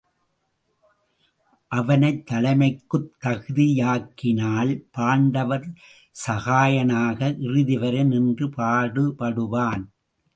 அவனைத் தலைமைக்குத் தகுதியாக்கினால் பாண்டவர் சகாயனாக இறுதி வரை நின்று பாடு படுவான்.